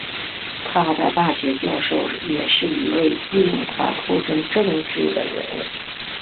他的大学教授也是一位令他投身政治的人物。